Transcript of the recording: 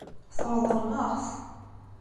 Tṛeḍlem-aɣ-t.